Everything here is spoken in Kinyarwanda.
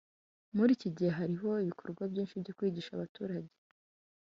muri iki gihe hariho ibikorwa byinshi byo kwigisha abaturage